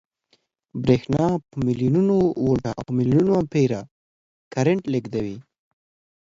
برېښنا په ملیونونو ولټه او په ملیونونو امپیره کرنټ لېږدوي